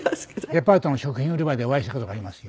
デパートの食品売り場でお会いした事がありますよ。